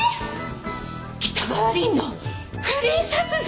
北川凛の不倫殺人！？